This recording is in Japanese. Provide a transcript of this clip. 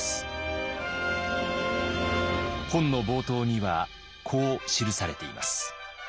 本の冒頭にはこう記されています。